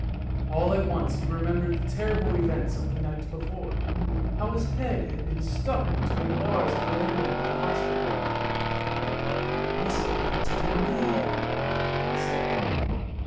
" All at once he remembered the terrible events THE GOLOSHES OF FORTUNE 323 of the night before, how his head had been stuck between the bars of the railing at the hospital. " I must have brought it on there," he said.